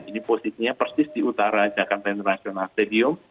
ini posisinya persis di utara jakarta international stadium